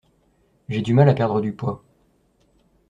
J'ai du mal à perdre du poids.